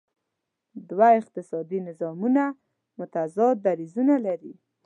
دوه اقتصادي نظامونه متضاد دریځونه لري.